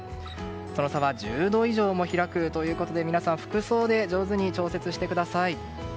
その差は１０度以上も開くということで皆さん、服装で上手に調節してください。